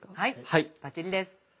はいバッチリです。